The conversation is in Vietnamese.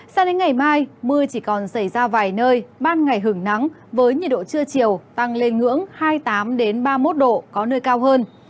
sao đến ngày mai mưa chỉ còn xảy ra vài nơi ban ngày hứng nắng với nhiệt độ trưa chiều tăng lên ngưỡng hai mươi tám ba mươi một độ có nơi cao hơn